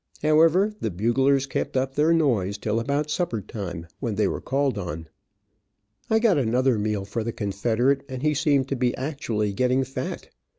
However the buglers kept up their noise till about supper time, when they were called on. I got another meal for the confederate, and he seemed to be actually getting fat.